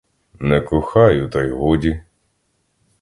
Не кохаю та й годі.